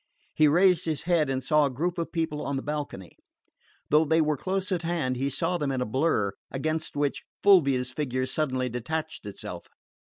He raised his head and saw a group of people on the balcony. Though they were close at hand, he saw them in a blur, against which Fulvia's figure suddenly detached itself.